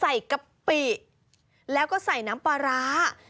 แล้วก็โขลกกับพริกกระเทียมมะกอกป่าให้เข้ากัน